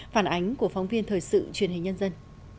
phản ánh của phóng viên thời sự truyền hình nhân dân